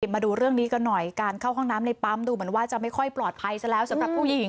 มาดูเรื่องนี้กันหน่อยการเข้าห้องน้ำในปั๊มดูเหมือนว่าจะไม่ค่อยปลอดภัยซะแล้วสำหรับผู้หญิง